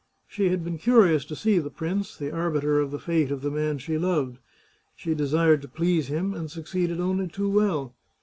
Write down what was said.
She had been curious to see the prince, the arbiter of the fate of the man she loved. She desired to please him, and succeeded only too well.